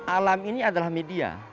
alam ini adalah media